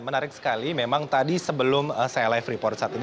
menarik sekali memang tadi sebelum saya live report saat ini